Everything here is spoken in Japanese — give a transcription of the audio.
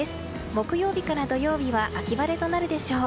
木曜日から土曜日は秋晴れとなるでしょう。